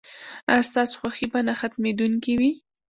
ایا ستاسو خوښي به نه ختمیدونکې وي؟